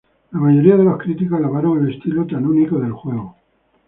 La mayoría de los críticos alabaron el estilo tan único del juego.